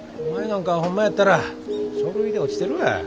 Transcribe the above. お前なんかホンマやったら書類で落ちてるわ。